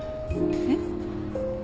えっ？